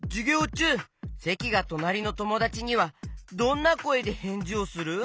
ちゅうせきがとなりのともだちにはどんなこえでへんじをする？